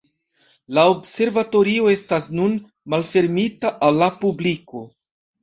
La observatorio estas nun malfermita al la publiko.